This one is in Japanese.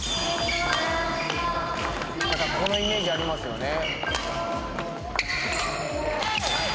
このイメージありますよね。